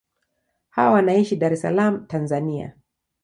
Hawa anaishi Dar es Salaam, Tanzania.